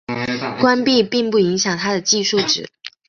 关闭并不影响它的计数值。